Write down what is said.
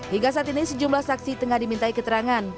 hingga saat ini sejumlah saksi tengah dimintai keterangan